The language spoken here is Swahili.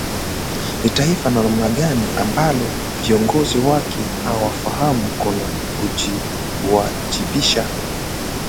Ni taifa la namna gani ambalo viongozi wake hawafahamu kuna kujiwajibisha?